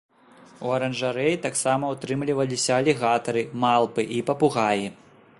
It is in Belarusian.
У аранжарэі таксама утрымліваліся алігатары, малпы і папугаі.